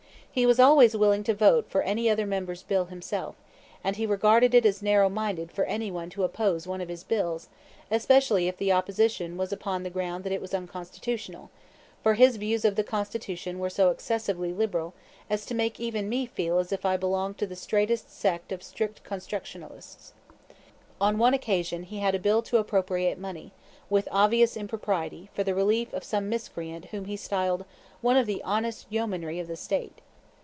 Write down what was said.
He was always willing to vote for any other member's bill himself, and he regarded it as narrow minded for any one to oppose one of his bills, especially if the opposition was upon the ground that it was unconstitutional for his views of the Constitution were so excessively liberal as to make even me feel as if I belonged to the straitest sect of strict constructionists. On one occasion he had a bill to appropriate money, with obvious impropriety, for the relief of some miscreant whom he styled "one of the honest yeomanry of the State."